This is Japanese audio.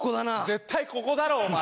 絶対ここだろお前。